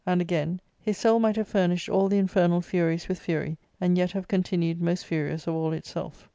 And, again : "His soul might have furnished all the infernal furies with fury^ and yet have continued most furious of all itself.